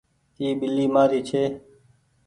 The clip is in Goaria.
اي ٻلي مآري ڇي۔